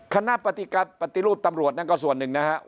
คณะปฏิรูปตำรวจนั่นก็ส่วนหนึ่งนะครับ